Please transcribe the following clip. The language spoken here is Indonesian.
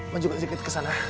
maju sedikit ke sana